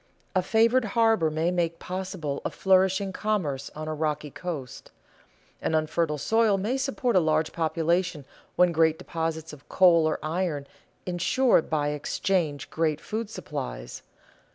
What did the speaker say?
A favored harbor may make possible a flourishing commerce on a rocky coast; an unfertile soil may support a large population when great deposits of coal or iron insure by exchange great food supplies.